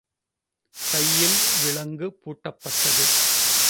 கையில் விலங்கு பூட்டப்பட்டது.